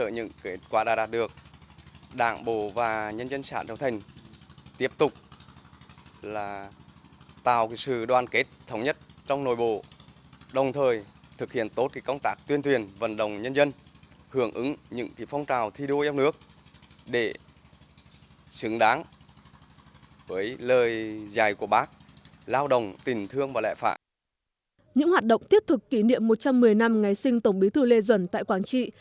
những hoạt động thiết thực kỷ niệm một trăm một mươi năm ngày sinh tổng bí thư lê duẩn tại quảng trị